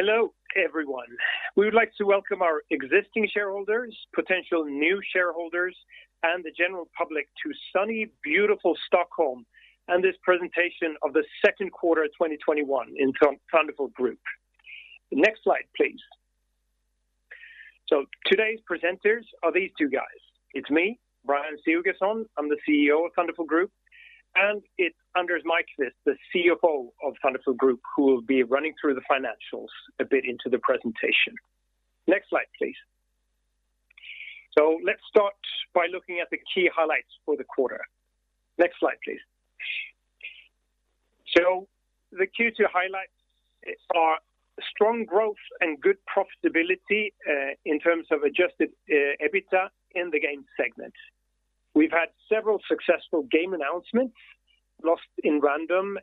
Hello, everyone. We would like to welcome our existing shareholders, potential new shareholders, and the general public to sunny, beautiful Stockholm, and this presentation of the second quarter of 2021 in Thunderful Group. Next slide, please. Today's presenters are these two guys. It's me, Brjann Sigurgeirsson, I'm the CEO of Thunderful Group, and it's Anders Maiqvist, the CFO of Thunderful Group, who will be running through the financials a bit into the presentation. Next slide, please. Let's start by looking at the key highlights for the quarter. Next slide, please. The Q2 highlights are strong growth and good profitability in terms of adjusted EBITDA in the Games segment. We've had several successful game announcements, "Lost in Random,"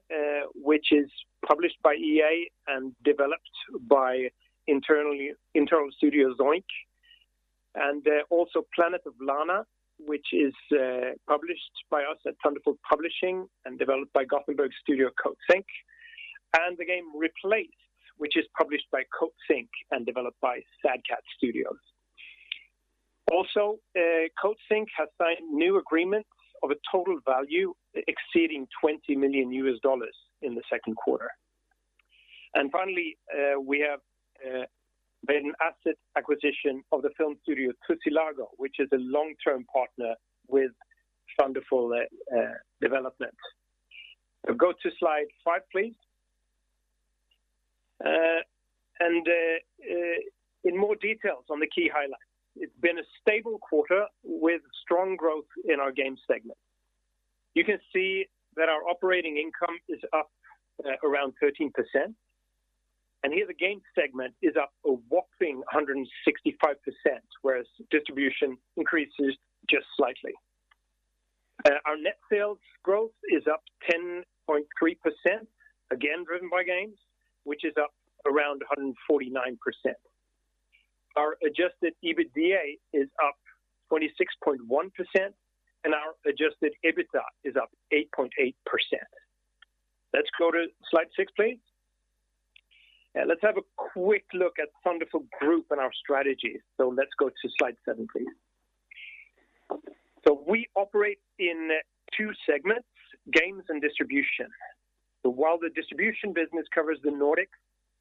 which is published by EA and developed by internal studio Zoink, and also "Planet of Lana," which is published by us at Thunderful Publishing and developed by Gothenburg studio Coatsink, and the game "REPLACED," which is published by Coatsink and developed by Sad Cat Studios. Coatsink has signed new agreements of a total value exceeding $20 million in the second quarter. Finally, we have made an asset acquisition of the film studio Tussilago, which is a long-term partner with Thunderful Development. Go to slide five, please. In more details on the key highlights. It's been a stable quarter with strong growth in our Games segment. You can see that our operating income is up around 13%, and here the Games segment is up a whopping 165%, whereas Distribution increases just slightly. Our net sales growth is up 10.3%, again driven by Games, which is up around 149%. Our adjusted EBITDA is up 26.1%, and our adjusted EBITDA is up 8.8%. Let's go to slide six, please. Let's have a quick look at Thunderful Group and our strategy. Let's go to slide seven, please. We operate in two segments, Games and Distribution. While the Distribution business covers the Nordic,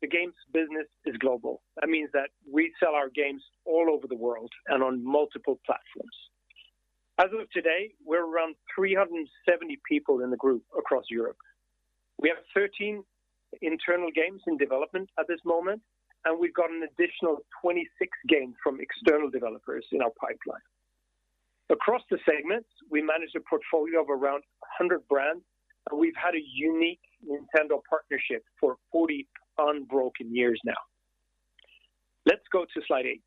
the Games business is global. That means that we sell our games all over the world and on multiple platforms. As of today, we're around 370 people in the group across Europe. We have 13 internal games in development at this moment, and we've got an additional 26 games from external developers in our pipeline. Across the segments, we manage a portfolio of around 100 brands, and we've had a unique Nintendo partnership for 40 unbroken years now. Let's go to slide eight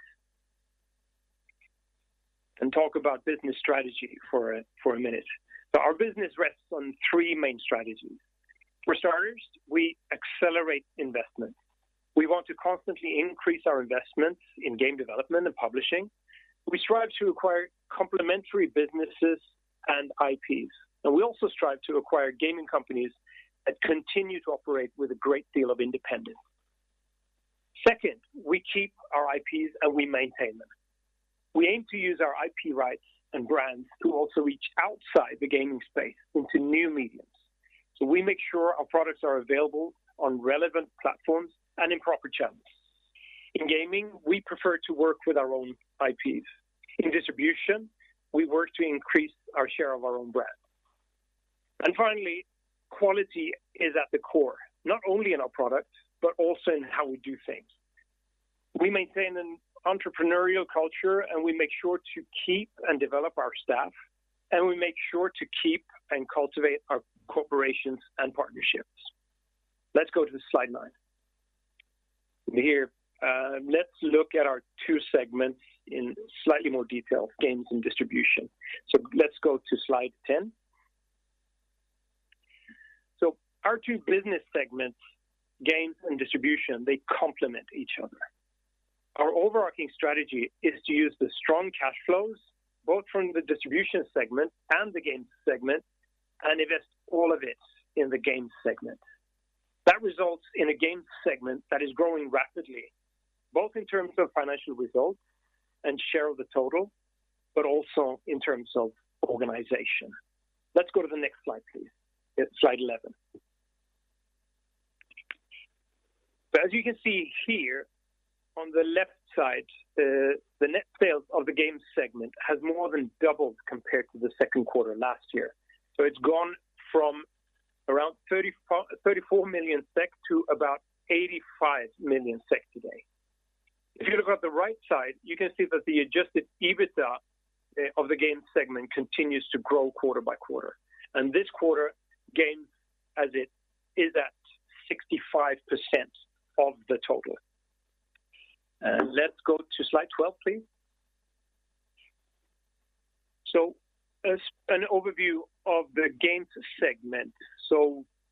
and talk about business strategy for a minute. Our business rests on three main strategies. For starters, we accelerate investment. We want to constantly increase our investments in game development and publishing. We strive to acquire complementary businesses and IPs, and we also strive to acquire gaming companies that continue to operate with a great deal of independence. Second, we keep our IPs and we maintain them. We aim to use our IP rights and brands to also reach outside the gaming space into new mediums. We make sure our products are available on relevant platforms and in proper channels. In gaming, we prefer to work with our own IPs. In distribution, we work to increase our share of our own breadth. Finally, quality is at the core, not only in our product, but also in how we do things. We maintain an entrepreneurial culture, we make sure to keep and develop our staff, we make sure to keep and cultivate our corporations and partnerships. Let's go to slide nine. Here, let's look at our two segments in slightly more detail, Games and Distribution. Let's go to slide 10. Our two business segments, Games and Distribution, they complement each other. Our overarching strategy is to use the strong cash flows, both from the Distribution segment and the Games segment, and invest all of it in the Games segment. That results in a Games segment that is growing rapidly, both in terms of financial results and share of the total, but also in terms of organization. Let's go to the next slide, please. Slide 11. As you can see here on the left side, the net sales of the Games segment has more than doubled compared to the second quarter last year. It's gone from around 34 million to about 85 million today. If you look at the right side, you can see that the adjusted EBITDA of the Games segment continues to grow quarter by quarter, and this quarter, Games as it is at 65% of the total. Let's go to slide 12, please. As an overview of the Games segment.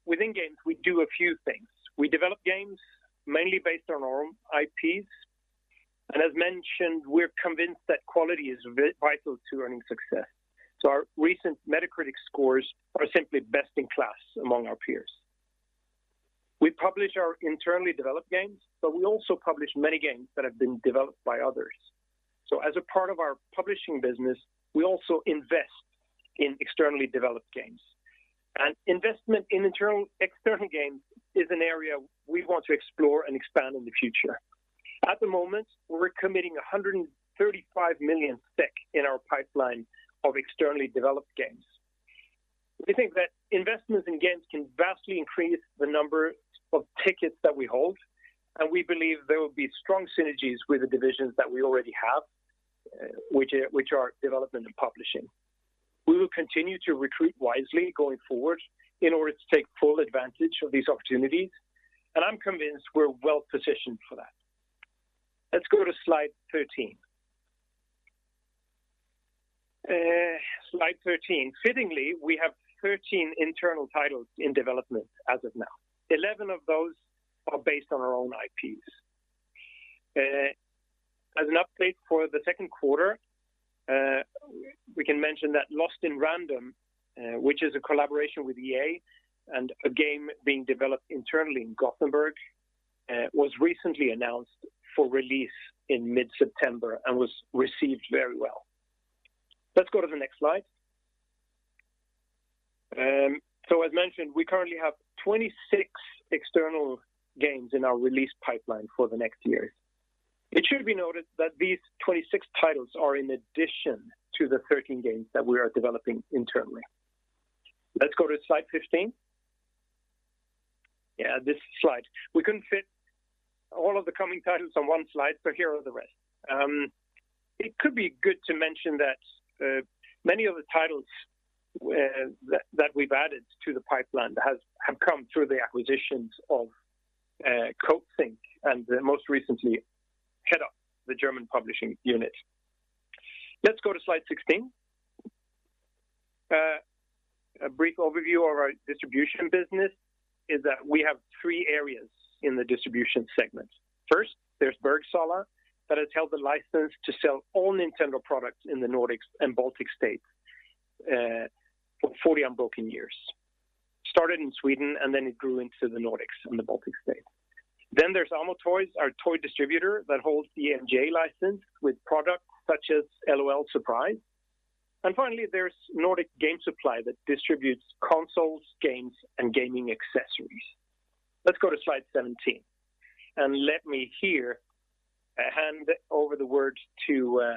Within Games, we do a few things. We develop games mainly based on our own IPs. As mentioned, we're convinced that quality is vital to earning success. Our recent Metacritic scores are simply best in class among our peers. We publish our internally developed games. We also publish many games that have been developed by others. As a part of our publishing business, we also invest in externally developed games. Investment in external games is an area we want to explore and expand in the future. At the moment, we're committing 135 million SEK in our pipeline of externally developed games. We think that investments in games can vastly increase the number of tickets that we hold. We believe there will be strong synergies with the divisions that we already have, which are Development and Publishing. We will continue to recruit wisely going forward in order to take full advantage of these opportunities. I'm convinced we're well-positioned for that. Let's go to slide 13. Slide 13. Fittingly, we have 13 internal titles in development as of now. 11 of those are based on our own IPs. As an update for the second quarter, we can mention that "Lost in Random," which is a collaboration with EA and a game being developed internally in Gothenburg, was recently announced for release in mid-September and was received very well. Let's go to the next slide. As mentioned, we currently have 26 external games in our release pipeline for the next year. It should be noted that these 26 titles are in addition to the 13 games that we are developing internally. Let's go to slide 15. Yeah, this slide. We couldn't fit all of the coming titles on one slide, here are the rest. It could be good to mention that many of the titles that we've added to the pipeline have come through the acquisitions of Coatsink and most recently Headup, the German publishing unit. Let's go to slide 16. A brief overview of our distribution business is that we have three areas in the distribution segment. First, there's Bergsala, that has held the license to sell all Nintendo products in the Nordics and Baltic States for 40 unbroken years. Started in Sweden and then it grew into the Nordics and the Baltic States. There's AMO Toys, our toy distributor that holds the MGA license with products such as L.O.L. Surprise!. Finally, there's Nordic Game Supply that distributes consoles, games, and gaming accessories. Let's go to slide 17, and let me here hand over the words to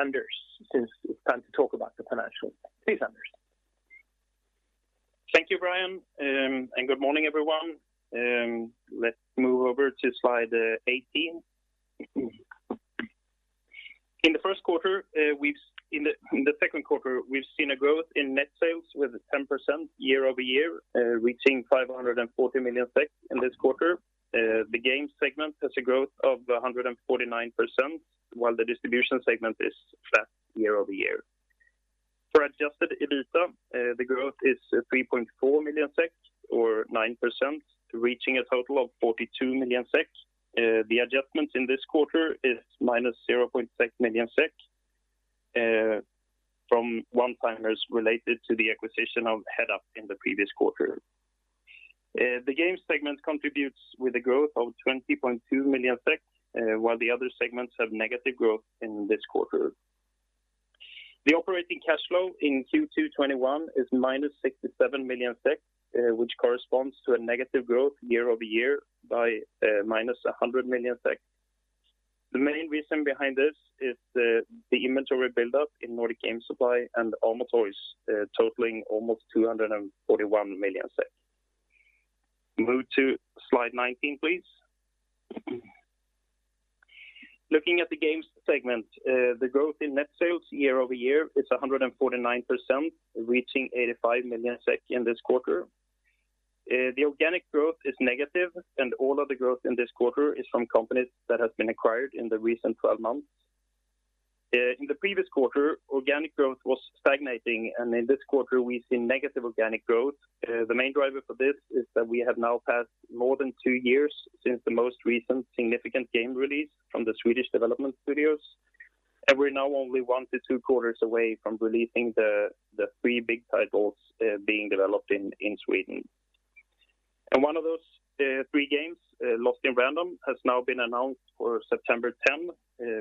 Anders since it's time to talk about the financial. Please, Anders. Thank you, Brjann, good morning, everyone. Let's move over to slide 18. In the second quarter, we've seen a growth in net sales with 10% year-over-year, reaching 540 million in this quarter. The games segment has a growth of 149%, while the distribution segment is flat year-over-year. For adjusted EBITDA, the growth is 3.4 million SEK or 9%, reaching a total of 42 million SEK. The adjustment in this quarter is -0.6 million SEK from one-timers related to the acquisition of Headup in the previous quarter. The games segment contributes with a growth of 20.2 million SEK, while the other segments have negative growth in this quarter. The operating cash flow in Q2 2021 is -67 million SEK, which corresponds to a negative growth year-over-year by -100 million SEK. The main reason behind this is the inventory buildup in Nordic Game Supply and AMO Toys totaling almost 241 million. Move to slide 19, please. Looking at the games segment, the growth in net sales year-over-year is 149%, reaching 85 million SEK in this quarter. The organic growth is negative, and all of the growth in this quarter is from companies that have been acquired in the recent 12 months. In the previous quarter, organic growth was stagnating, and in this quarter we've seen negative organic growth. The main driver for this is that we have now passed more than two years since the most recent significant game release from the Swedish development studios, and we're now only one to two quarters away from releasing the three big titles being developed in Sweden. One of those three games, "Lost in Random," has now been announced for September 10th,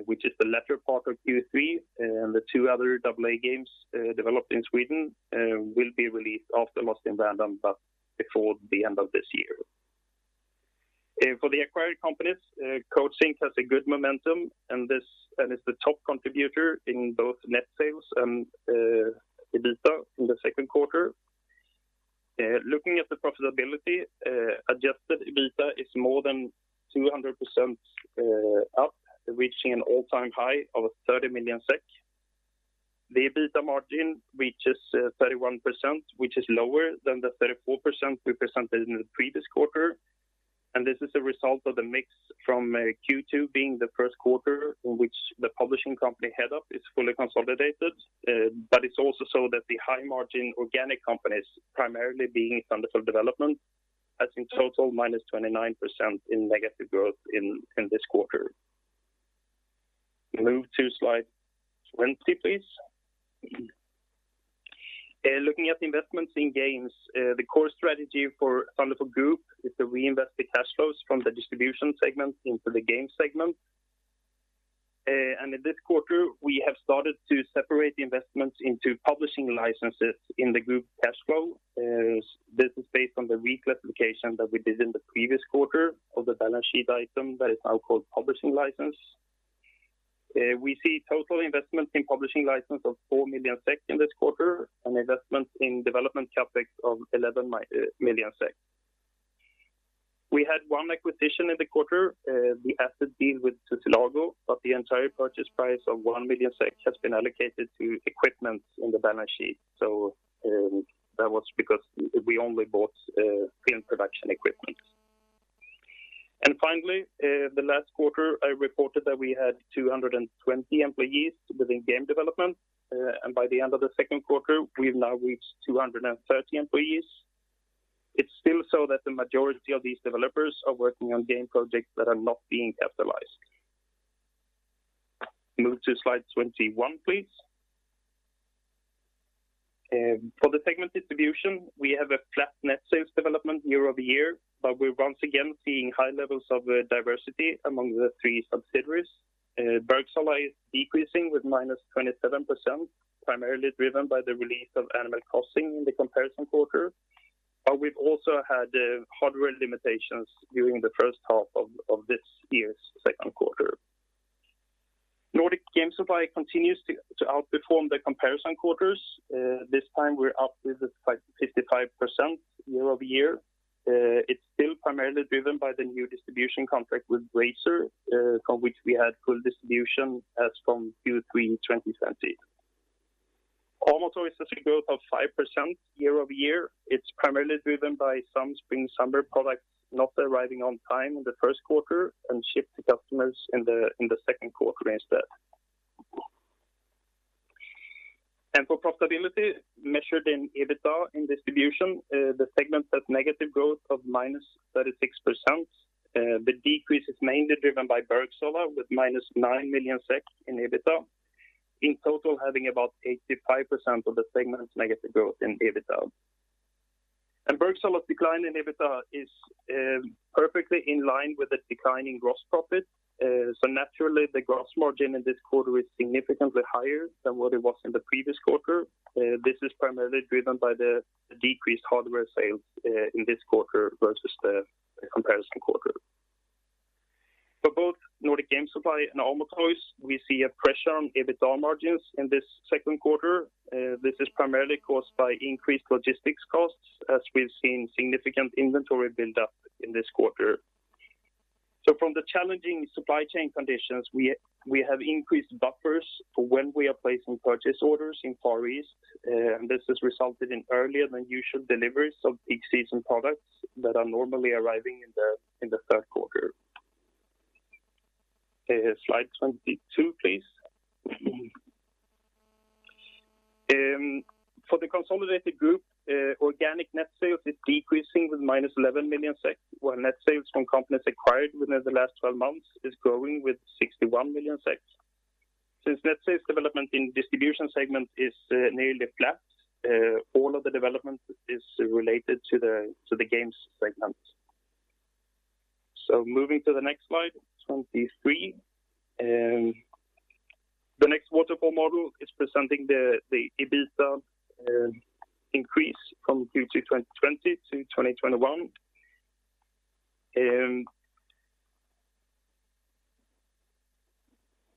which is the latter part of Q3, and the two other AA games developed in Sweden will be released after "Lost in Random," but before the end of this year. For the acquired companies, Coatsink has a good momentum and is the top contributor in both net sales and EBITDA in the second quarter. Looking at the profitability, adjusted EBITDA is more than 200% up, reaching an all-time high of 30 million SEK. The EBITDA margin reaches 31%, which is lower than the 34% we presented in the previous quarter, and this is a result of the mix from Q2 being the first quarter in which the publishing company Headup is fully consolidated. It's also so that the high-margin organic companies, primarily being Thunderful Development. That's in total -29% in negative growth in this quarter. Move to slide 20, please. Looking at investments in games, the core strategy for Thunderful Group is to reinvest the cash flows from the distribution segment into the game segment. In this quarter, we have started to separate the investments into publishing licenses in the group cash flow. This is based on the reclassification that we did in the previous quarter of the balance sheet item that is now called publishing license. We see total investments in publishing license of 4 million SEK in this quarter and investment in development CapEx of 11 million SEK. We had one acquisition in the quarter, the asset deal with Tussilago, but the entire purchase price of 1 million SEK has been allocated to equipment on the balance sheet. That was because we only bought game production equipment. Finally, the last quarter I reported that we had 220 employees within game development, and by the end of the second quarter, we've now reached 230 employees. It's still so that the majority of these developers are working on game projects that are not being capitalized. Move to slide 21, please. For the segment distribution, we have a flat net sales development year-over-year, but we are once again seeing high levels of diversity among the three subsidiaries. Bergsala is decreasing with -27%, primarily driven by the release of Animal Crossing in the comparison quarter, but we've also had hardware limitations during the first half of this year's second quarter. Nordic Game Supply continues to outperform the comparison quarters. This time we are up with 55% year-over-year. It's still primarily driven by the new distribution contract with Razer, from which we had full distribution as from Q3 2020. AMO Toys there's a growth of 5% year-over-year. It's primarily driven by some spring/summer products not arriving on time in the first quarter and shipped to customers in the second quarter instead. For profitability measured in EBITDA in distribution, the segment has negative growth of -36%. The decrease is mainly driven by Bergsala with -9 million SEK in EBITDA, in total having about 85% of the segment's negative growth in EBITDA. Bergsala's decline in EBITDA is perfectly in line with the decline in gross profit. Naturally, the gross margin in this quarter is significantly higher than what it was in the previous quarter. This is primarily driven by the decreased hardware sales in this quarter versus the comparison quarter. For both Nordic Game Supply and AMO Toys, we see a pressure on EBITDA margins in this second quarter. This is primarily caused by increased logistics costs as we've seen significant inventory build-up in this quarter. From the challenging supply chain conditions, we have increased buffers for when we are placing purchase orders in Far East, and this has resulted in earlier than usual deliveries of peak season products that are normally arriving in the third quarter. Slide 22, please. For the consolidated group, organic net sales is decreasing with -11 million SEK, while net sales from companies acquired within the last 12 months is growing with 61 million SEK. Since net sales development in distribution segment is nearly flat, all of the development is related to the games segment. Moving to the next slide, 23. The next waterfall model is presenting the EBITDA increase from Q2 2020 to 2021.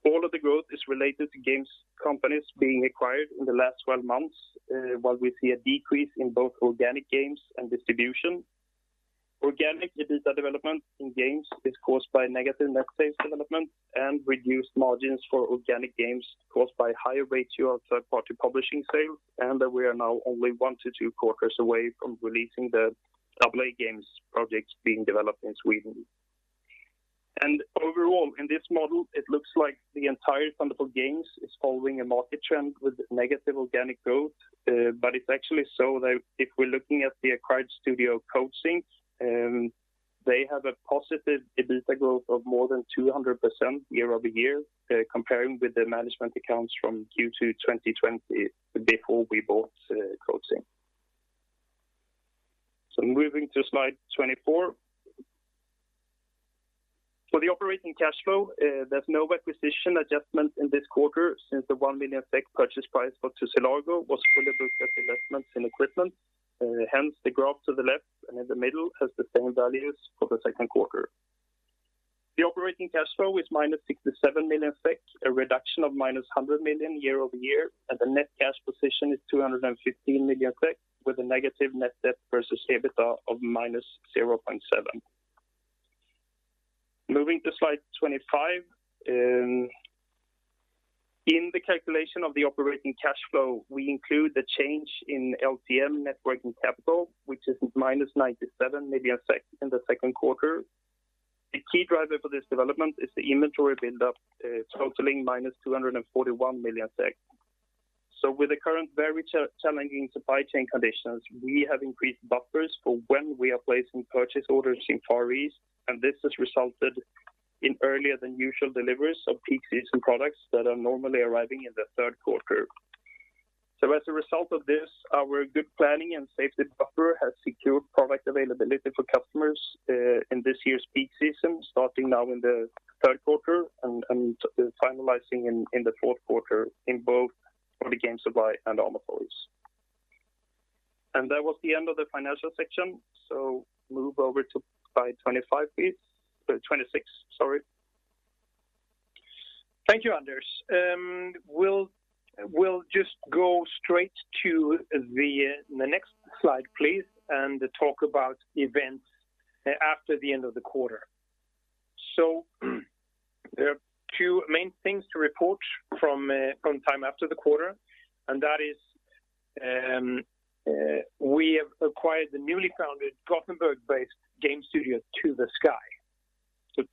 All of the growth is related to games companies being acquired in the last 12 months, while we see a decrease in both organic games and distribution. Organic EBITDA development in games is caused by negative net sales development and reduced margins for organic games caused by higher ratio of third-party publishing sales. We are now only one to two quarters away from releasing the AA games projects being developed in Sweden. Overall, in this model, it looks like the entire Thunderful Games is following a market trend with negative organic growth. It's actually so that if we're looking at the acquired studio Coatsink, they have a positive EBITDA growth of more than 200% year-over-year, comparing with the management accounts from Q2 2020 before we bought Coatsink. Moving to slide 24. For the operating cash flow, there's no acquisition adjustment in this quarter since the 1 million SEK purchase price for Tussilago was fully booked as investments in equipment. Hence, the graph to the left and in the middle has the same values for the second quarter. The operating cash flow is -67 million, a reduction of -100 million year-over-year, and the net cash position is 215 million with a negative net debt versus EBITDA of -0.7 million. Moving to slide 25. In the calculation of the operating cash flow, we include the change in LTM net working capital, which is -97 million in the second quarter. The key driver for this development is the inventory build-up totaling -241 million. With the current very challenging supply chain conditions, we have increased buffers for when we are placing purchase orders in Far East, and this has resulted in earlier than usual deliveries of peak season products that are normally arriving in the third quarter. As a result of this, our good planning and safety buffer has secured product availability for customers in this year's peak season, starting now in the third quarter and finalizing in the fourth quarter in both for Nordic Game Supply and AMO Toys. That was the end of the financial section. Move over to slide 25, please. 26, sorry. Thank you, Anders. We'll just go straight to the next slide, please, and talk about events after the end of the quarter. There are two main things to report from time after the quarter, and that is we have acquired the newly founded Gothenburg-based game studio, To The Sky.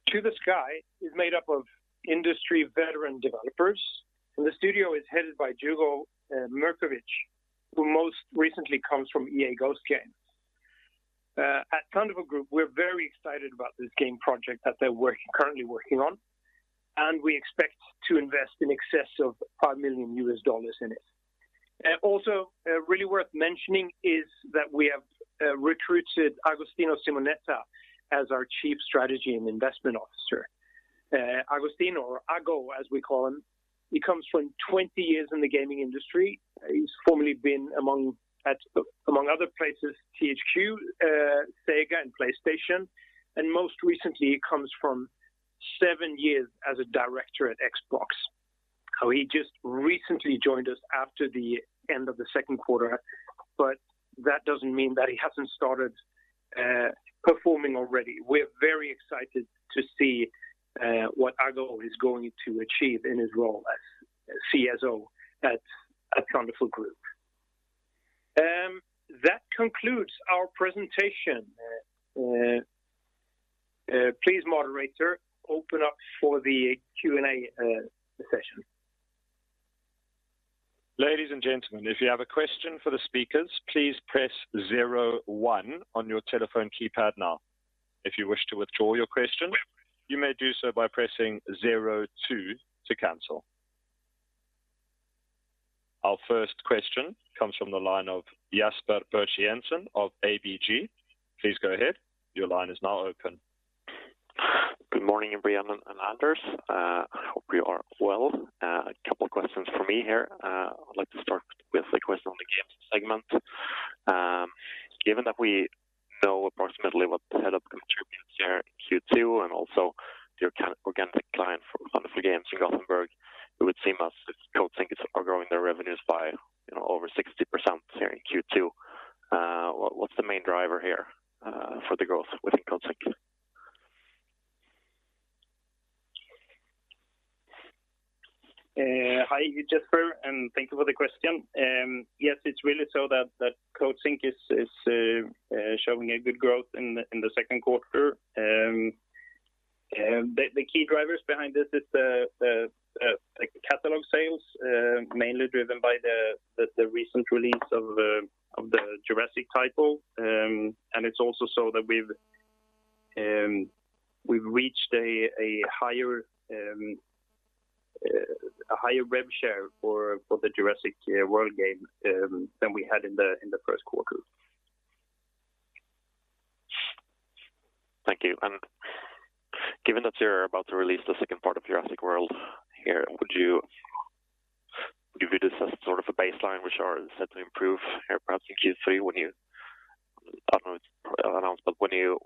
To The Sky is made up of industry veteran developers, and the studio is headed by Jugo Mirkovic, who most recently comes from EA Ghost Games. At Thunderful Group, we're very excited about this game project that they're currently working on, and we expect to invest in excess of $5 million in it. Also, really worth mentioning is that we have recruited Agostino Simonetta as our Chief Strategy and Investment Officer. Agostino, or Ago as we call him, he comes from 20 years in the gaming industry. He's formerly been, among other places, THQ, Sega, and PlayStation, and most recently comes from seven years as a director at Xbox. He just recently joined us after the end of the second quarter, but that doesn't mean that he hasn't started performing already. We're very excited to see what Ago is going to achieve in his role as CSO at Thunderful Group. That concludes our presentation. Please, moderator, open up for the Q&A session. Ladies and gentlemen, if you have a question for the speakers, please press zero one on your telephone keypad now. If you wish to withdraw your question, you may do so by pressing zero two to cancel. Our first question comes from the line of Jesper Birch-Jensen of ABG. Please go ahead. Your line is now open. Good morning, Brjann and Anders. I hope you are well. A couple of questions from me here. I'd like to start with a question on the Games segment. Given that we know approximately what the Headup contributes here in Q2 and also your organic decline for Thunderful Games in Gothenburg, it would seem as if Coatsink is outgrowing their revenues by over 60% here in Q2. What's the main driver here for the growth within Coatsink? Hi, Jesper, thank you for the question. Yes, it's really so that Coatsink is showing a good growth in the second quarter. The key drivers behind this is the catalog sales, mainly driven by the recent release of the Jurassic title, and it's also so that we've reached a higher rev share for the Jurassic World game than we had in the first quarter. Thank you. Given that you're about to release the second part of Jurassic World here, would you give this as sort of a baseline, which are set to improve here, perhaps in Q3 when you, I don't know, announce, but when you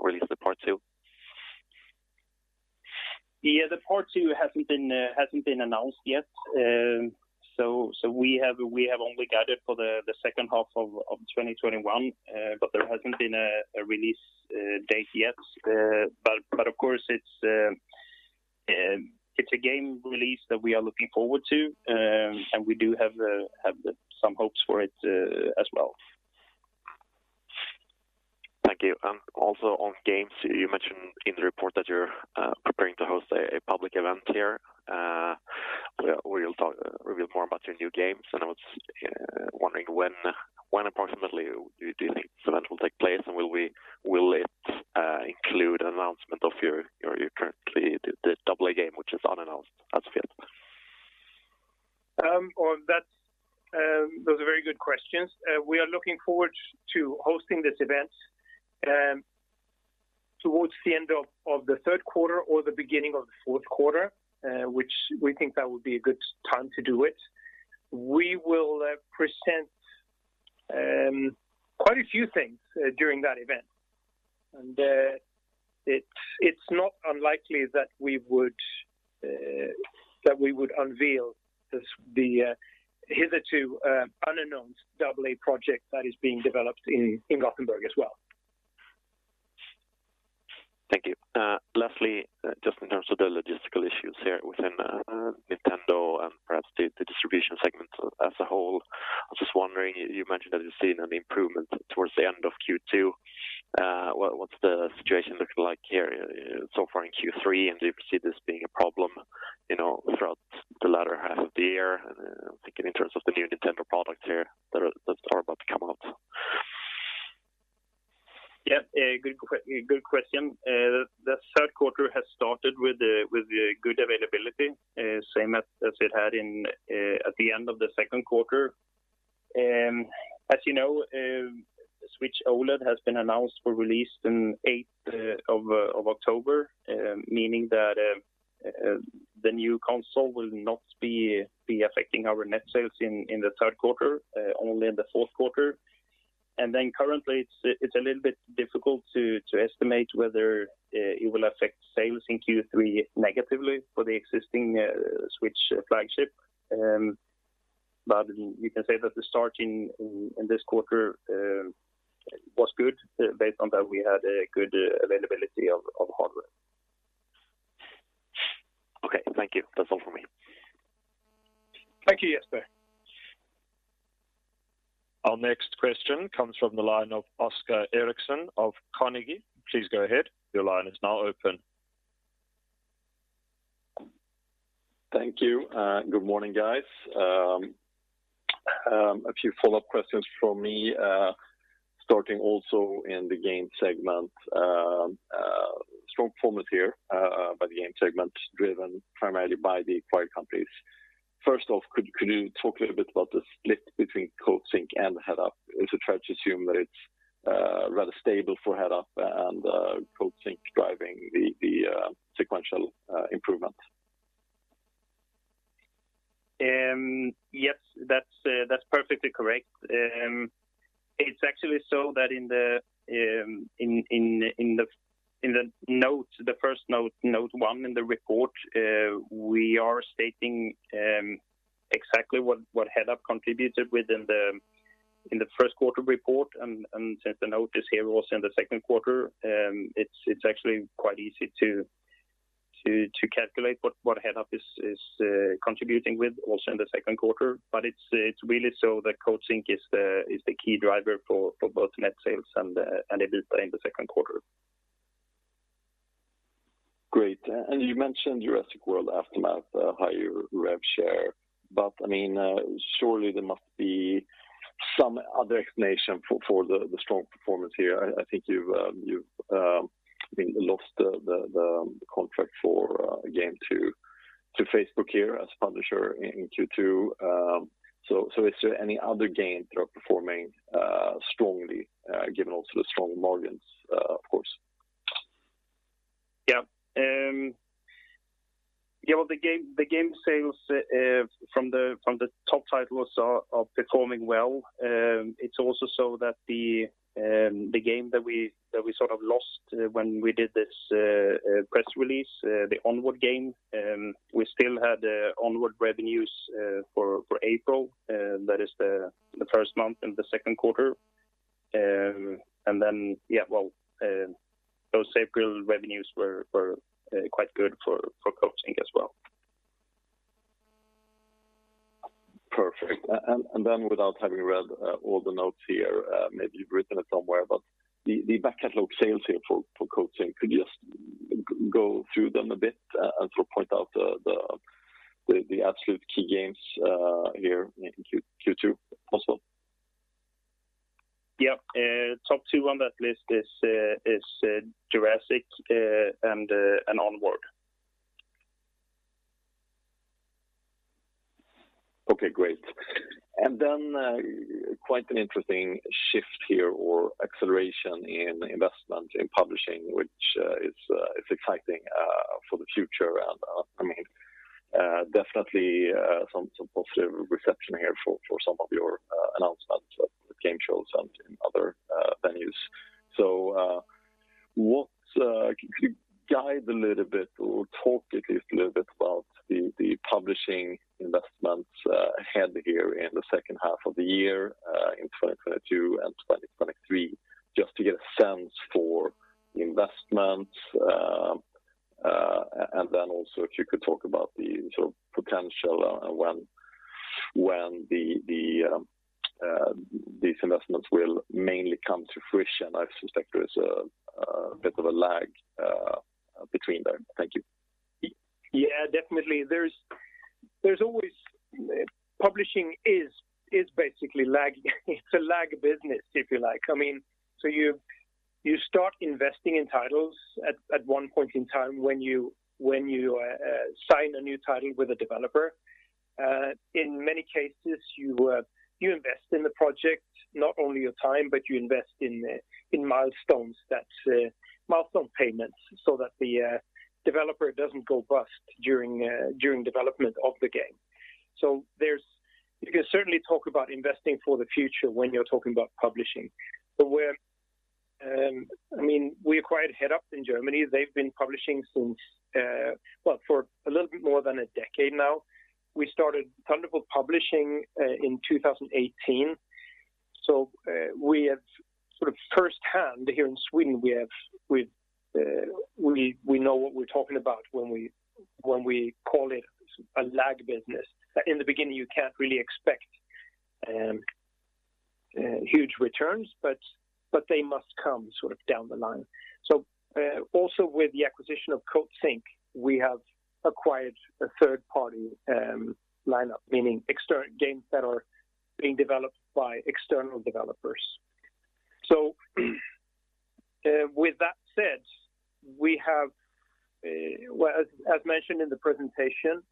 release the part two? The part two hasn't been announced yet. We have only got it for the second half of 2021, there hasn't been a release date yet. Of course, it's a game release that we are looking forward to, and we do have some hopes for it as well. Thank you. Also on Games, you mentioned in the report that you're preparing to host a public event here, where you'll reveal more about your new games. I was wondering when approximately do you think this event will take place, and will it include announcement of your currently AA game, which is unannounced as of yet? Those are very good questions. We are looking forward to hosting this event towards the end of the third quarter or the beginning of the fourth quarter, which we think that would be a good time to do it. We will present quite a few things during that event. It's not unlikely that we would unveil the hitherto unknown AA project that is being developed in Gothenburg as well. Thank you. Lastly, just in terms of the logistical issues here within Nintendo and perhaps the distribution segment as a whole. Just wondering, you mentioned that you've seen an improvement towards the end of Q2. What's the situation looking like here so far in Q3, and do you foresee this being a problem throughout the latter half of the year? Thinking in terms of the new Nintendo products here that are about to come out. Yeah. Good question. The third quarter has started with good availability, same as it had at the end of the second quarter. As you know, Switch OLED has been announced for release on the 8th of October, meaning that the new console will not be affecting our net sales in the third quarter, only in the fourth quarter. Currently it's a little bit difficult to estimate whether it will affect sales in Q3 negatively for the existing Switch flagship. We can say that the start in this quarter was good based on that we had a good availability of hardware. Okay. Thank you. That is all from me. Thank you, Jesper. Our next question comes from the line of Oscar Eriksson of Carnegie. Please go ahead. Thank you. Good morning, guys. A few follow-up questions from me, starting also in the Games segment. Strong performance here by the Games segment, driven primarily by the acquired companies. First off, could you talk a little bit about the split between Coatsink and Headup? Try to assume that it's rather stable for Headup and Coatsink driving the sequential improvement. Yes, that's perfectly correct. It's actually so that in the first note one in the report, we are stating exactly what Headup contributed with in the first quarter report, and since the note is here also in the second quarter, it's actually quite easy to calculate what Headup is contributing with also in the second quarter. It's really so that Coatsink is the key driver for both net sales and [EBITDA] in the second quarter. Great. You mentioned "Jurassic World Aftermath," higher rev share, but surely there must be some other explanation for the strong performance here. I think you've lost the contract for a game to Facebook here as a publisher in Q2. Is there any other games that are performing strongly, given also the strong margins, of course? Yeah. The game sales from the top titles are performing well. It is also so that the game that we sort of lost when we did this press release, the "Onward" game, we still had "Onward" revenues for April. That is the first month in the second quarter. Those April revenues were quite good for Coatsink as well. Perfect. Without having read all the notes here, maybe you've written it somewhere, but the back catalog sales here for Coatsink, could you just go through them a bit and sort of point out the absolute key games here in Q2 also? Yeah. Top two on that list is "Jurassic" and "Onward. Okay, great. Quite an interesting shift here, or acceleration in investment in publishing, which is exciting for the future, and definitely some positive reception here for some of your announcements at game shows and in other venues. Can you guide a little bit or talk at least a little bit about the publishing investments ahead here in the second half of the year in 2022 and 2023, just to get a sense for the investments, and then also if you could talk about the potential when these investments will mainly come to fruition. I suspect there is a bit of a lag between them. Thank you. Yeah, definitely. Publishing is basically lag. It's a lag business, if you like. You start investing in titles at one point in time when you sign a new title with a developer. In many cases, you invest in the project, not only your time, but you invest in milestone payments so that the developer doesn't go bust during development of the game. You can certainly talk about investing for the future when you're talking about publishing. We acquired Headup in Germany. They've been publishing for a little bit more than a decade now. We started Thunderful Publishing in 2018. We have sort of firsthand here in Sweden, we know what we're talking about when we call it a lag business. In the beginning, you can't really expect huge returns, but they must come sort of down the line. Also with the acquisition of Coatsink, we have acquired a third-party lineup, meaning external games that are being developed by external developers. With that said, as mentioned in the presentation,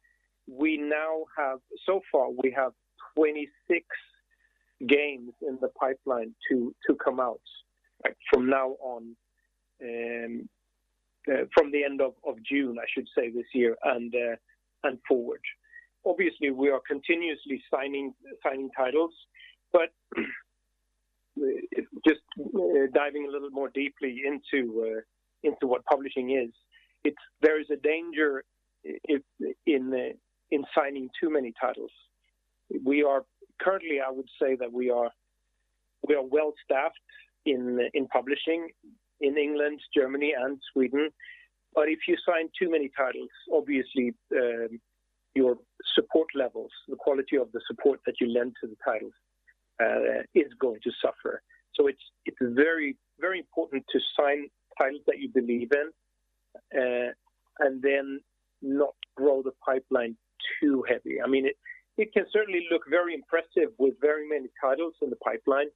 so far we have 26 games in the pipeline to come out from the end of June, I should say this year, and forward. Obviously, we are continuously signing titles, but just diving a little more deeply into what publishing is, there is a danger in signing too many titles. Currently, I would say that we are well-staffed in publishing in England, Germany, and Sweden. If you sign too many titles, obviously, your support levels, the quality of the support that you lend to the titles, is going to suffer. It's very important to sign titles that you believe in, and then not grow the pipeline too heavy. It can certainly look very impressive with very many titles in the pipeline,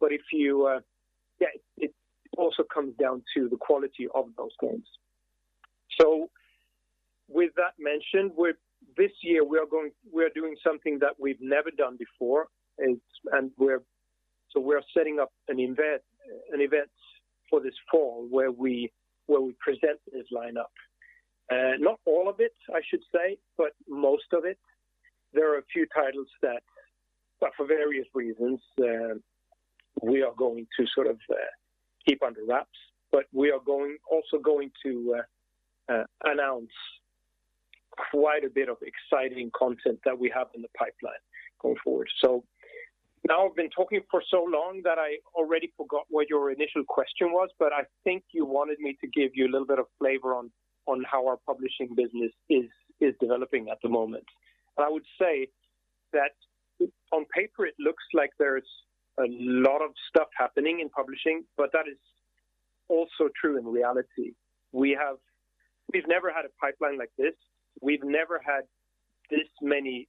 but it also comes down to the quality of those games. With that mentioned, this year we are doing something that we've never done before, we are setting up an event for this fall where we present this lineup. Not all of it, I should say, but most of it. There are a few titles that, for various reasons, we are going to sort of keep under wraps. We are also going to announce quite a bit of exciting content that we have in the pipeline going forward. Now I've been talking for so long that I already forgot what your initial question was, but I think you wanted me to give you a little bit of flavor on how our publishing business is developing at the moment. I would say that on paper, it looks like there's a lot of stuff happening in publishing, but that is also true in reality. We've never had a pipeline like this. We've never had this many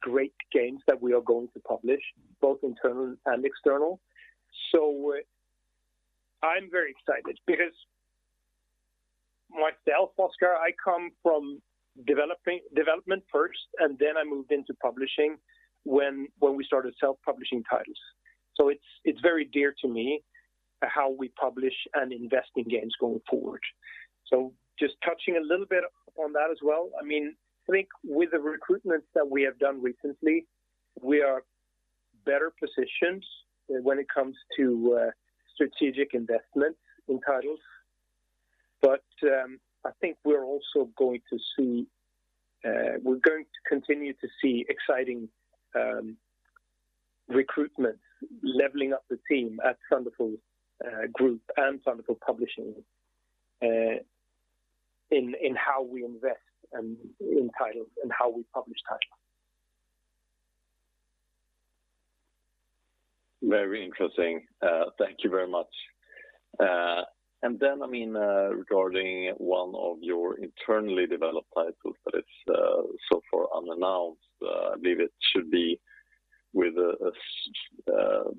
great games that we are going to publish, both internal and external. I'm very excited because myself, Oscar, I come from development first, and then I moved into publishing when we started self-publishing titles. It's very dear to me how we publish and invest in games going forward. Just touching a little bit on that as well, I think with the recruitment that we have done recently, we are better positioned when it comes to strategic investment in titles. I think we're going to continue to see exciting recruitment, leveling up the team at Thunderful Group and Thunderful Publishing in how we invest in titles and how we publish titles. Very interesting. Thank you very much. Regarding one of your internally developed titles that is so far unannounced, I believe it should be with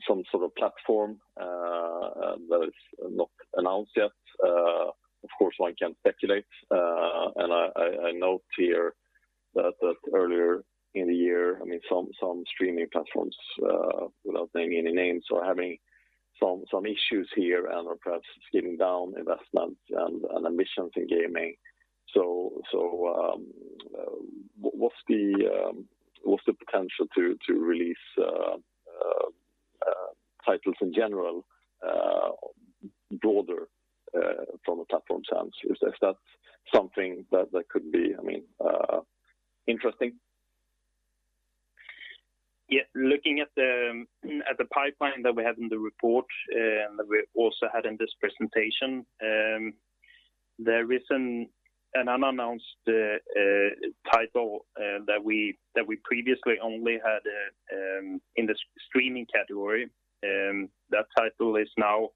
some sort of platform that is not announced yet. Of course, one can speculate, and I note here that earlier in the year, some streaming platforms, without naming any names, are having some issues here and are perhaps scaling down investment and ambitions in gaming. What's the potential to release titles in general broader from a platform sense? Is that something that could be interesting? Yeah, looking at the pipeline that we had in the report, and that we also had in this presentation, there is an unannounced title that we previously only had in the streaming category. That title is now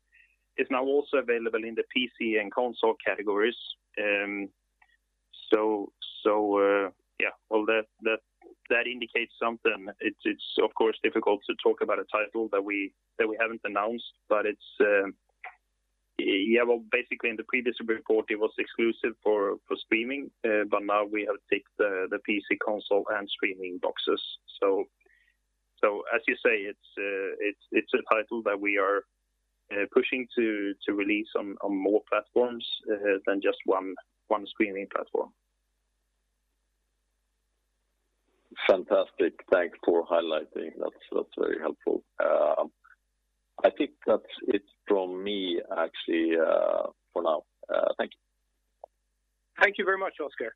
also available in the PC and console categories. Yeah, well, that indicates something. It is of course difficult to talk about a title that we haven't announced, but basically in the previous report, it was exclusive for streaming, but now we have ticked the PC console and streaming boxes. As you say, it is a title that we are pushing to release on more platforms than just one streaming platform. Fantastic. Thanks for highlighting. That's very helpful. I think that's it from me actually for now. Thank you. Thank you very much, Oscar.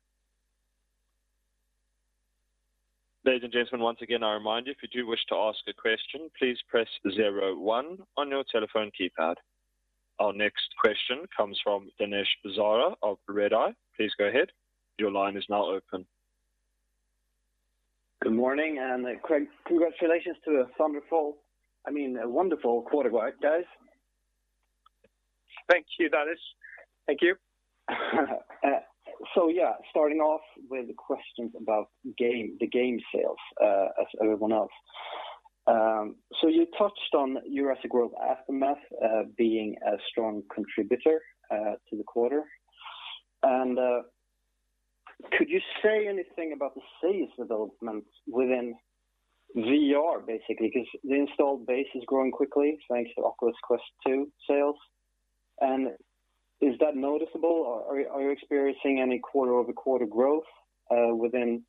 Ladies and gentlemen, once again, I remind you, if you do wish to ask a question, please press zero one on your telephone keypad. Our next question comes from Danesh Zare of Redeye. Please go ahead. Your line is now open. Good morning, congratulations to a wonderful quarter, guys. Thank you, Danesh. Thank you. Yeah, starting off with questions about the game sales, as everyone else. You touched on Jurassic World Aftermath being a strong contributor to the quarter. Could you say anything about the sales development within VR, basically, because the installed base is growing quickly, thanks to Oculus Quest 2 sales. Is that noticeable or are you experiencing any quarter-over-quarter growth within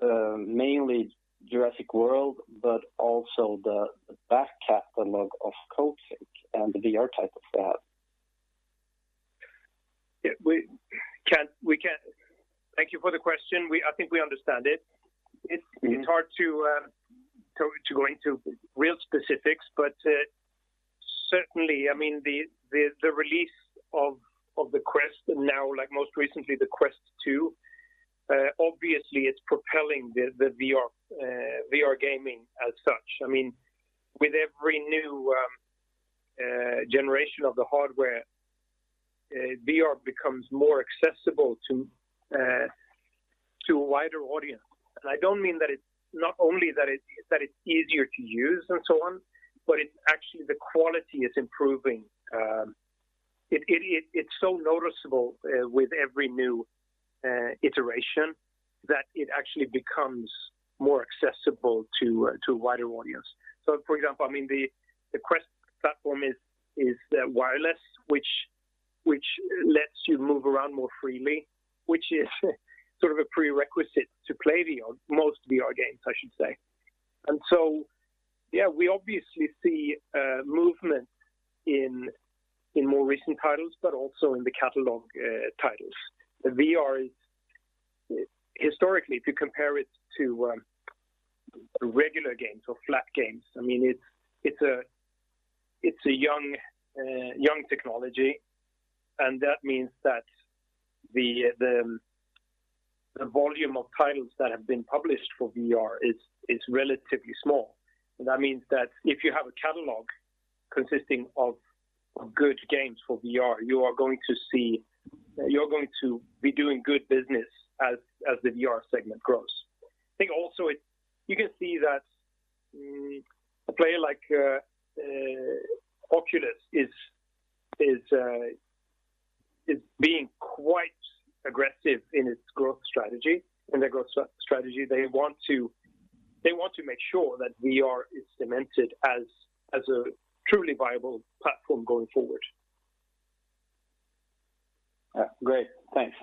mainly Jurassic World, but also the back catalog of Coatsink and the VR type of that? Thank you for the question. I think we understand it. It's hard to go into real specifics, but certainly, the release of the Quest, and now most recently, the Quest 2 obviously is propelling the VR gaming as such. With every new generation of the hardware, VR becomes more accessible to a wider audience. I don't mean that it's not only that it's easier to use and so on, but it's actually the quality is improving. It's so noticeable with every new iteration that it actually becomes more accessible to a wider audience. For example, the Quest platform is wireless, which lets you move around more freely, which is sort of a prerequisite to play most VR games, I should say. Yeah, we obviously see movement in more recent titles, but also in the catalog titles. VR is historically, if you compare it to regular games or flat games, it's a young technology, and that means that the volume of titles that have been published for VR is relatively small. That means that if you have a catalog consisting of good games for VR, you are going to be doing good business as the VR segment grows. I think also you can see that a player like Oculus is being quite aggressive in their growth strategy. They want to make sure that VR is cemented as a truly viable platform going forward. Great. Thanks.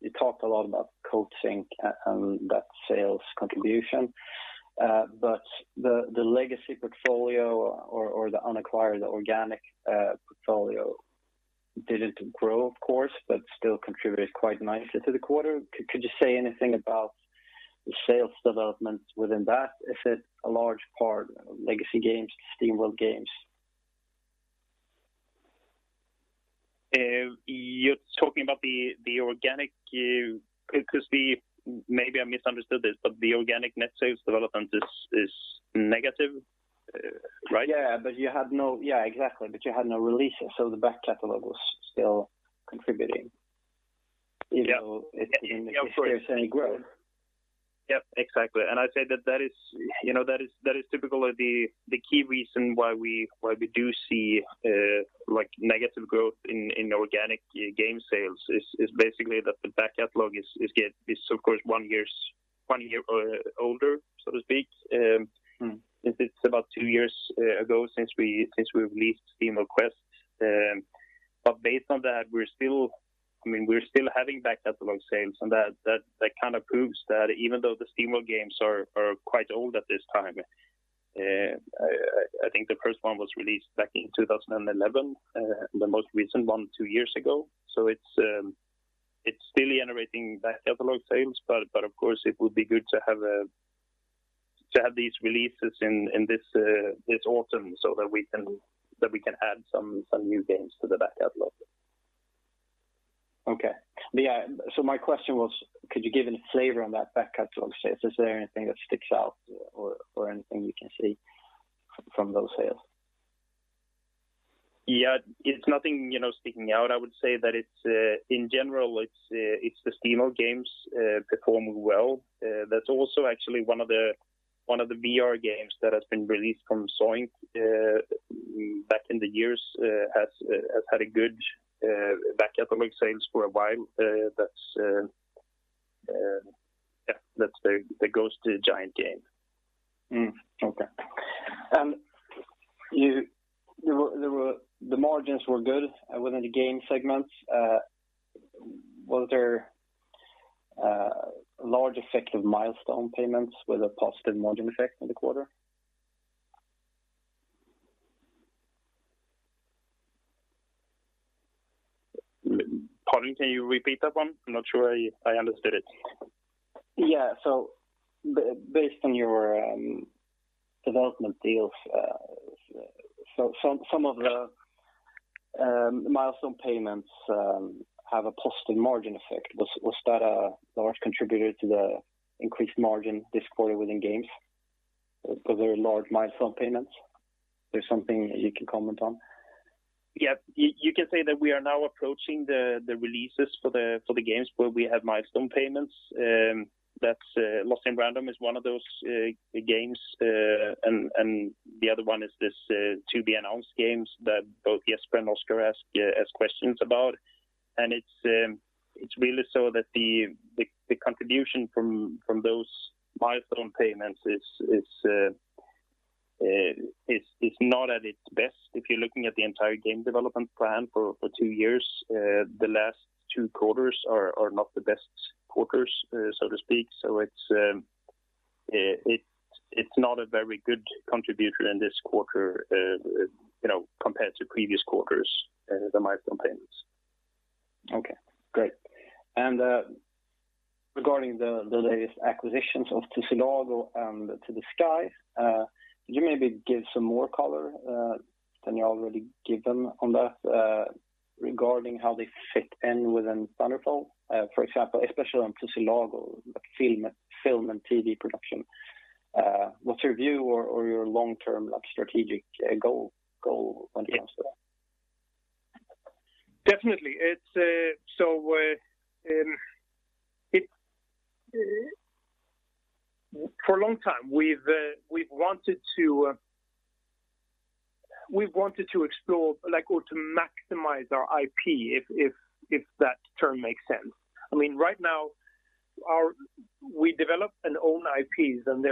You talked a lot about Coatsink and that sales contribution, but the legacy portfolio or the unacquired organic portfolio didn't grow, of course, but still contributed quite nicely to the quarter. Could you say anything about the sales development within that? Is it a large part of legacy games, SteamWorld games? You're talking about. Because maybe I misunderstood this, but the organic net sales development is negative, right? Yeah. Exactly, but you had no releases, so the back catalog was still contributing even though it's in steady growth. Yep, exactly. I'd say that is typically the key reason why we do see negative growth in organic game sales is basically that the back catalog is of course one year older, so to speak. It's about two years ago since we've released SteamWorld Quest. Based on that, we're still having back catalog sales, and that kind of proves that even though the SteamWorld games are quite old at this time, I think the first one was released back in 2011, the most recent one, two years ago. It's still generating back catalog sales, but of course, it would be good to have these releases in this autumn so that we can add some new games to the back catalog. Okay. My question was, could you give any flavor on that back catalog sales? Is there anything that sticks out or anything you can see from those sales? Yeah. It is nothing sticking out. I would say that in general, it is the SteamWorld games perform well. That is also actually one of the VR games that has been released from Zoink back in the years has had a good back catalog sales for a while. That is the Ghost Giant game. Mm-hmm. Okay. The margins were good within the game segments. Was there a large effect of milestone payments with a positive margin effect in the quarter? Pardon, can you repeat that one? I'm not sure I understood it. Based on your development deals, some of the milestone payments have a positive margin effect. Was that a large contributor to the increased margin this quarter within Games because there are large milestone payments? Is there something that you can comment on? Yeah. You can say that we are now approaching the releases for the games where we have milestone payments. Lost in Random is one of those games, and the other one is this to-be-announced game that both Jesper and Oscar asked questions about. It's really so that the contribution from those milestone payments is not at its best. If you're looking at the entire game development plan for two years, the last two quarters are not the best quarters, so to speak. It's not a very good contributor in this quarter compared to previous quarters, the milestone payments. Okay, great. Regarding the latest acquisitions of Tussilago and To The Sky, could you maybe give some more color than you already given on that regarding how they fit in within Thunderful? For example, especially on Tussilago, like film and TV production, what's your view or your long-term strategic goal when it comes to that? Definitely. For a long time, we've wanted to maximize our IP, if that term makes sense. Right now, we develop and own IPs, and they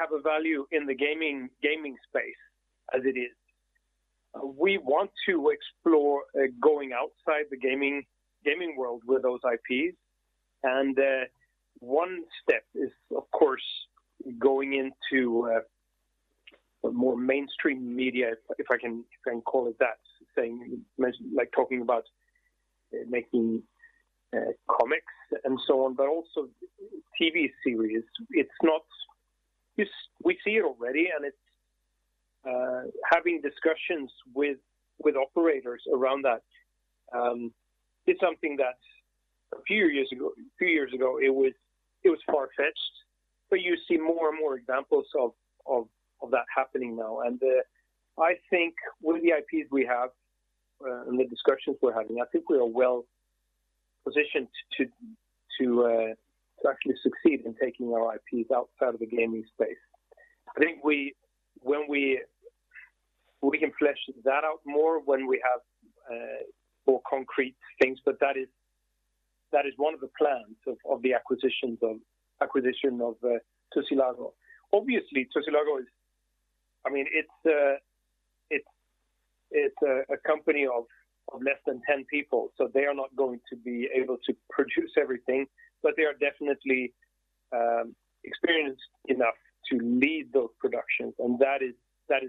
have a value in the gaming space as it is. We want to explore going outside the gaming world with those IPs, and one step is, of course, going into more mainstream media, if I can call it that, talking about making comics and so on, but also TV series. We see it already, and it's having discussions with operators around that. It's something that a few years ago it was far-fetched, but you see more and more examples of that happening now. I think with the IPs we have and the discussions we're having, I think we are well-positioned to actually succeed in taking our IPs outside of the gaming space. I think we can flesh that out more when we have more concrete things. That is one of the plans of the acquisition of Tussilago. Obviously, Tussilago is a company of less than 10 people, so they are not going to be able to produce everything. They are definitely experienced enough to lead those productions, and that is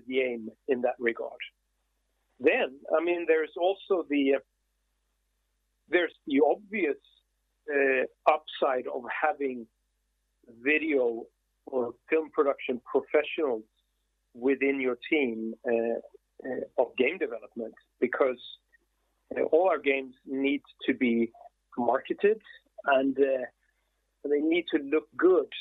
the aim in that regard. There's the obvious upside of having video or film production professionals within your team of game development. All our games need to be marketed, and they need to look good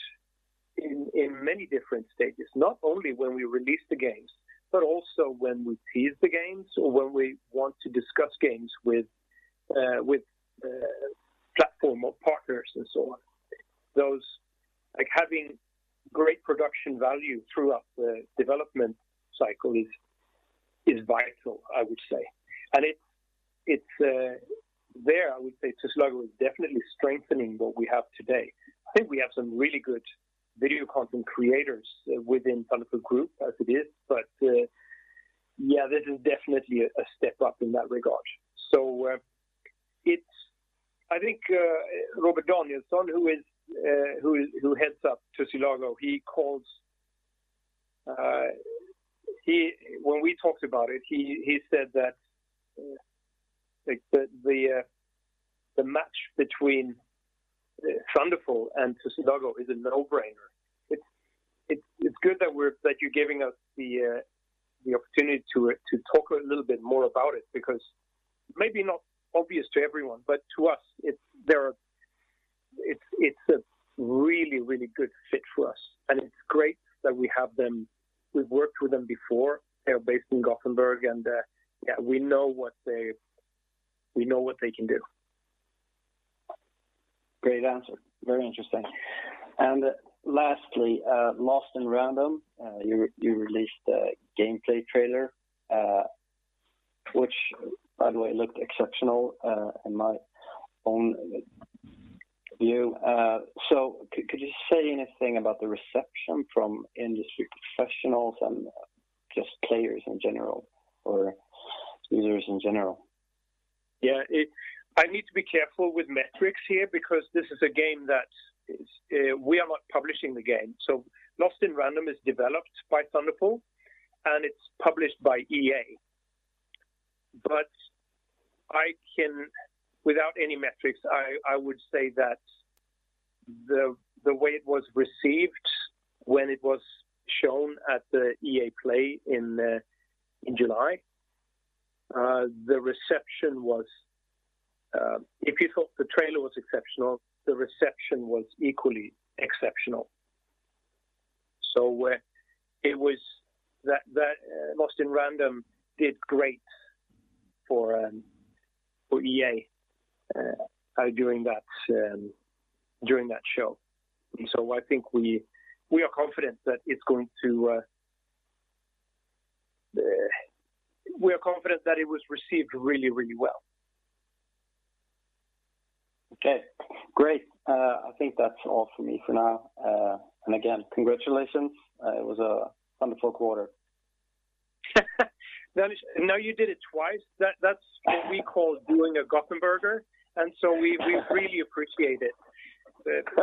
in many different stages. Not only when we release the games, also when we tease the games or when we want to discuss games with platform or partners so on. Having great production value throughout the development cycle is vital, I would say. There, I would say Tussilago is definitely strengthening what we have today. I think we have some really good video content creators within Thunderful Group as it is, but this is definitely a step up in that regard. I think Robert Danielsson, who heads up Tussilago, when we talked about it, he said that the match between Thunderful and Tussilago is a no-brainer. It's good that you're giving us the opportunity to talk a little bit more about it because maybe not obvious to everyone, but to us, it's a really good fit for us, and it's great that we have them. We've worked with them before. They are based in Gothenburg, and we know what they can do. Great answer. Very interesting. Lastly, "Lost in Random," you released a gameplay trailer, which by the way looked exceptional in my own view. Could you say anything about the reception from industry professionals and just players in general or users in general? Yeah. I need to be careful with metrics here because this is a game that we are not publishing the game. Lost in Random is developed by Thunderful, and it's published by EA. Without any metrics, I would say that the way it was received when it was shown at the EA Play in July, if you thought the trailer was exceptional, the reception was equally exceptional. Lost in Random did great for EA during that show. We are confident that it was received really, really well. Okay, great. I think that's all from me for now. Again, congratulations. It was a wonderful quarter. Danesh, now you did it twice, that's what we call doing a Gothenburger, and so we really appreciate it.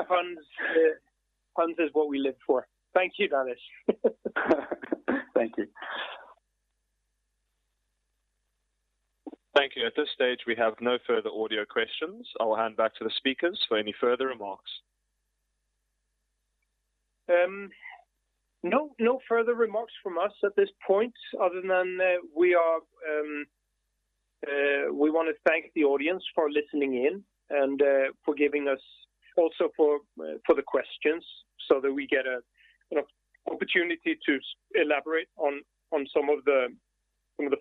Puns is what we live for. Thank you, Danesh. Thank you. Thank you. At this stage, we have no further audio questions. I will hand back to the speakers for any further remarks. No further remarks from us at this point, other than we want to thank the audience for listening in and also for the questions so that we get an opportunity to elaborate on some of the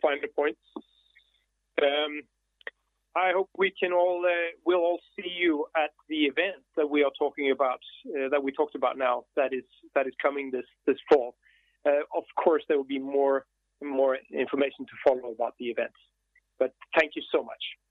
finer points. I hope we'll all see you at the event that we talked about now, that is coming this fall. Of course, there will be more information to follow about the events. Thank you so much. Cheers.